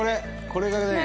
これがね